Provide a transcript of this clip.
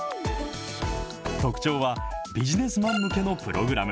特徴は、ビジネスマン向けのプログラム。